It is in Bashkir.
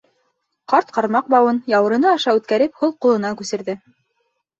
Ҡарт ҡармаҡ бауын, яурыны аша үткәреп, һул ҡулына күсерҙе.